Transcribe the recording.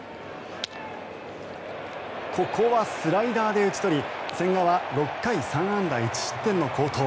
ここはスライダーで打ち取り千賀は６回３安打１失点の好投。